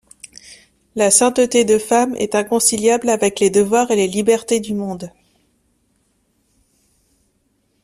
La sainteté de femmes est inconciliable avec les devoirs et les libertés du monde.